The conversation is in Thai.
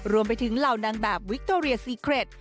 รวมไปถึงเหล่านางแบบวิคโตเรียซีเครต